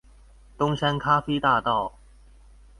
東山咖啡大道